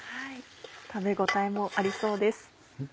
食べ応えもありそうです。